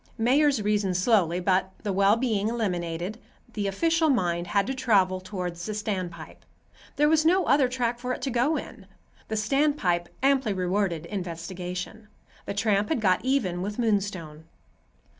Mayors reason slowly, but, the well being eliminated, the official mind had to travel toward the standpipe—there was no other track for it to go in. The standpipe amply rewarded investigation. The tramp had got even with Moonstone.